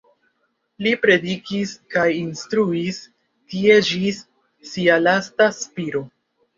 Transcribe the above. Li predikis kaj instruis tie ĝis sia lasta spiro.